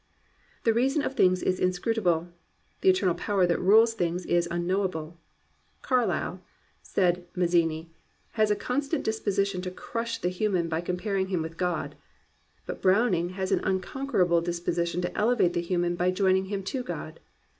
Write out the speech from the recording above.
The reason of things is inscrutable: the eternal Power that rules things is unknowable. Carlyle, said Mazzini, "has a constant disposition to crush the human by comparing him with God." But Browning has an unconquerable disposition to elevate the human by joining him to God.